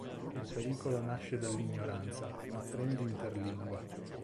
Il pericolo nasce dall'ignoranza, apprendi interlingua.